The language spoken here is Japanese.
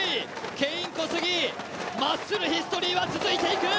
ケイン・コスギ、マッスルヒストリーは続いていく。